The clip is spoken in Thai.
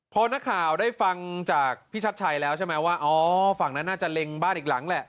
พอนักข่าวได้ฟังจากพี่ชัดชัยแล้วใช่ไหมว่าอ๋อฝั่งนั้นน่าจะเล็งบ้านอีกหลังแหละ